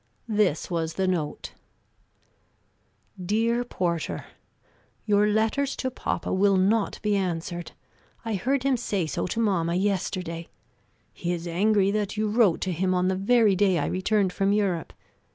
This was the note: "Dear Porter: Your letters to papa will not be answered. I heard him say so to mamma, yesterday. He is angry that you wrote to him on the very day I returned from Europe.